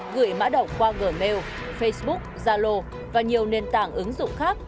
ba gửi mã đọc qua gmail facebook zalo và nhiều nền tảng ứng dụng khác